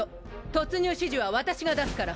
突入指示は私が出すから。